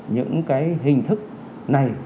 những hình thức này